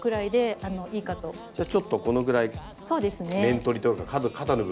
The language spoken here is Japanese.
じゃあちょっとこのぐらい面取りというか肩の部分を。